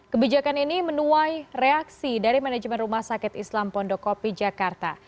kebijakan ini menuai reaksi dari manajemen rumah sakit islam pondokopi jakarta